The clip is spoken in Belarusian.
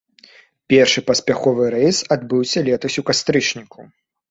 Першы паспяховы рэйс адбыўся летась у кастрычніку.